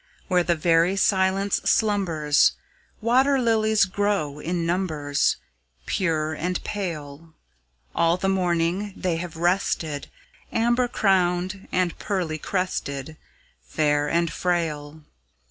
Where the very silence slumbers, Water lilies grow in numbers, Pure and pale; All the morning they have rested, Amber crowned, and pearly crested, Fair and frail.